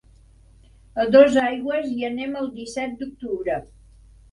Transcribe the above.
A Dosaigües hi anem el disset d'octubre.